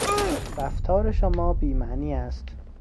رفتار شما بیمعنی است.